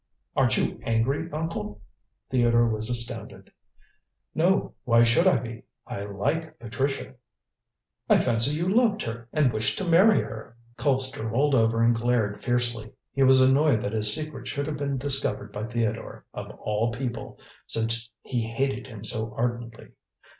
"Aren't you angry, uncle?" Theodore was astounded. "No. Why should I be? I like Patricia." "I fancied you loved her and wished to marry her." Colpster rolled over and glared fiercely. He was annoyed that his secret should have been discovered by Theodore, of all people, since he hated him so ardently.